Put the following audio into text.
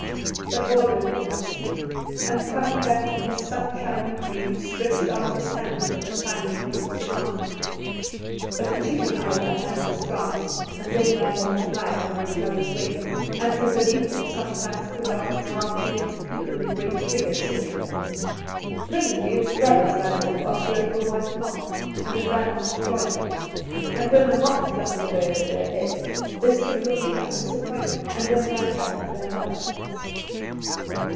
But Waldo did not sleep, and coming back from his sunshiny dream, stretched out his hand for the tiny thing to mount. But the chicken eyed the hand, and then ran off to hide under its mother's wing, and from beneath it it sometimes put out its round head to peep at the great figure sitting there. Presently its brothers ran off after a little white moth and it ran out to join them; and when the moth fluttered away over their heads they stood looking up disappointed, and then ran back to their mother.